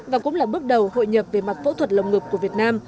và cũng là bước đầu hội nhập về mặt phẫu thuật lồng ngực của việt nam